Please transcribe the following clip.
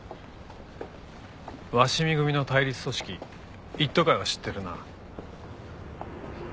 鷲見組の対立組織一途会は知ってるな？